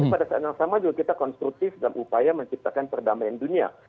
tapi pada saat yang sama juga kita konstruktif dalam upaya menciptakan perdamaian dunia